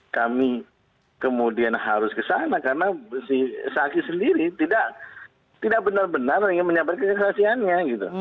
kami kemudian harus ke sana karena si saky sendiri tidak benar benar ingin menyampaikan kesaksiannya